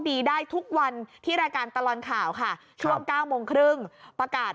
ดีได้ทุกวันที่รายการตลอดข่าวค่ะช่วง๙โมงครึ่งประกาศ